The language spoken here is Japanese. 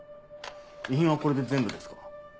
遺品はこれで全部ですか？